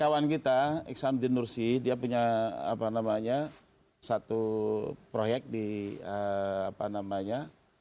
kawan kita iksan dinursi dia punya apa namanya satu proyek di apa namanya